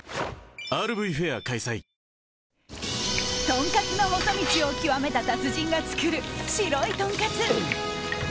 とんかつの細道を極めた達人が作る、白いとんかつ。